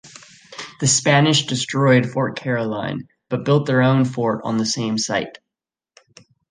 The Spanish destroyed Fort Caroline, but built their own fort on the same site.